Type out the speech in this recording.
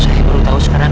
saya baru tau sekarang